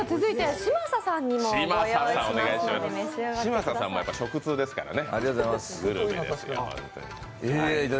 嶋佐さんも食通ですからね。